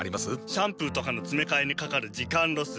シャンプーとかのつめかえにかかる時間ロス。